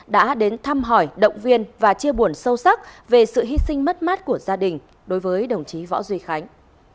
đã đến thăm hỏi động viên và chia buồn sâu sắc về sự hy sinh mất mát của gia đình đối với đồng chí võ duy khánh